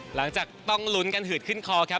หลังจากต้องลุ้นกันหืดขึ้นคอครับ